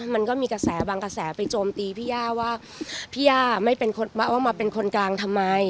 มันก็มีกระแสบางกระแสไปโจมตีพี่ย่าว่าพี่ย่าไม่เป็นคนว่ามาเป็นคนกลางทำไม